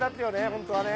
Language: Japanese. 本当はね。